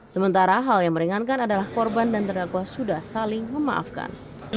sementara hal yang meringankan adalah korban dan terdakwa sudah saling memaafkan